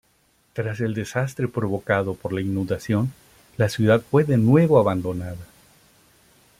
Tras el desastre provocado por la inundación, la ciudad fue de nuevo abandonada.